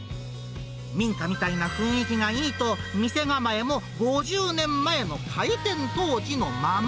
民家みたいな雰囲気がいいと、店構えも５０年前の開店当時のまま。